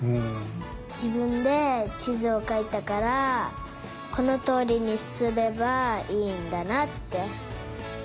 じぶんでちずをかいたからこのとおりにすすめばいいんだなって。